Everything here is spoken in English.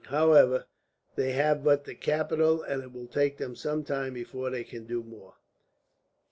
However, they have but the capital, and it will take them some time before they can do more."